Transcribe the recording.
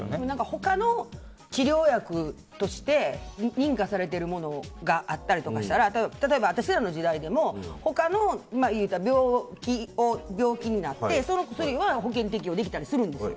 他の治療薬として認可されているものがあったりしたら例えば、私らの時代でも他の病気になってその薬は保険適用できたりするんです。